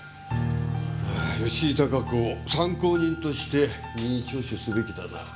吉井孝子を参考人として任意聴取すべきだな。